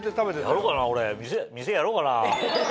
やろうかな俺店やろうかな。